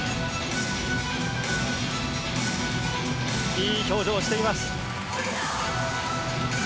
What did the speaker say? いい表情をしています。